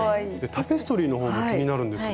タペストリーの方も気になるんですが。